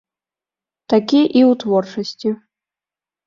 Такі і ў творчасці.